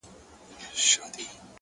بریالی انسان عذرونه نه لټوي.!